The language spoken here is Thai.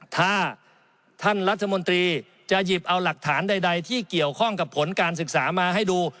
ถ้าท่านรัฐมนตรีจะหยิบเอาหลักฐานใดที่เกี่ยวข้องกับผลการศึกษามาให้ดู